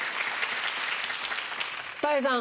たい平さん。